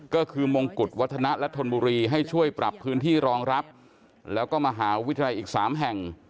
ก็คือมงกุฎวัฒนะและธนบุรีให้ช่วยปรับพื้นที่รองรับแล้วก็มหาวิทยาลัยอีก๓แห่ง